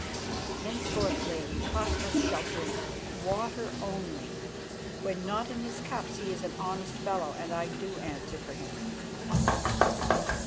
"Henceforth, lady, Cosmas shall drink water only. When not in his cups he is an honest fellow, and I do answer for him."